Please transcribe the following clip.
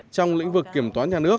trong lĩnh vực kiểm toán nhà nước